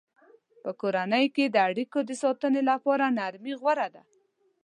په کورنۍ کې د اړیکو د ساتنې لپاره نرمي غوره ده.